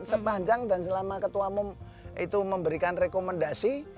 sepanjang dan selama ketua umum itu memberikan rekomendasi